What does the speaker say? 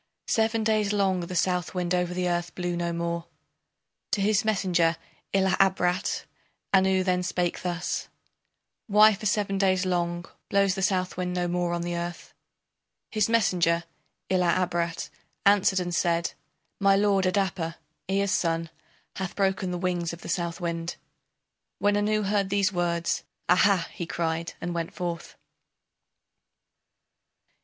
Seven days long the Southwind over the earth blew no more. To his messenger Ila Abrat Anu then spake thus: Why for seven days long Blows the Southwind no more on the earth? His messenger Ila Abrat answered and said: My lord, Adapa, Ea's son, hath broken the wings of the Southwind. When Anu heard these words, "Aha!" he cried, and went forth.